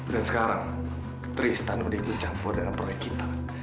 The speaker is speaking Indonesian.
dan sekarang tristan udah ikut campur dengan proyek kita